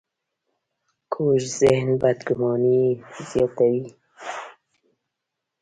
کوږ ذهن بدګماني زیاتوي